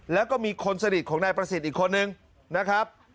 แล้วก็มีคนสนิทของนายประสิทธิ์อีกคนนึงนะครับ